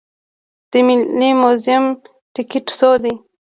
د ملي موزیم ټکټ څو دی؟